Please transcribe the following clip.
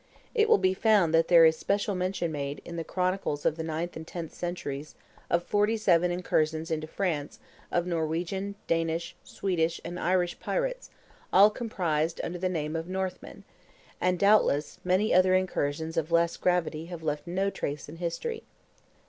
It will be found that there is special mention made, in the chronicles of the ninth and tenth centuries, of forty seven incursions into France of Norwegian, Danish, Swedish, and Irish pirates, all comprised under the name of Northmen; and, doubtless, many other incursions of less gravity have left no trace in history.